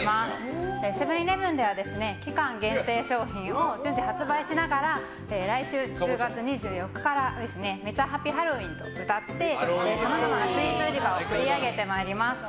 セブン‐イレブンでは期間限定商品を順次発売しながら来週１０月２４日からめちゃハピハロウィンとうたってさまざまなスイーツ売り場を盛り上げてまいります。